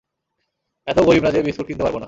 এতও গরিব না যে, বিস্কুট কিনতে পারবোনা।